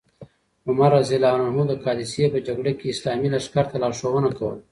عمر رض د قادسیې په جګړه کې اسلامي لښکر ته لارښوونه کوله.